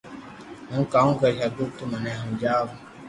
ھون ڪاو ڪري ھگو تو مني ھمجاو